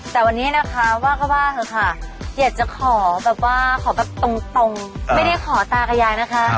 แต่วันนี้นะคะว่าก็ว่าเถอะค่ะอยากจะขอแบบว่าขอแบบตรงไม่ได้ขอตากับยายนะคะ